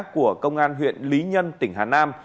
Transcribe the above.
của công an huyện lý nhân tỉnh hà nam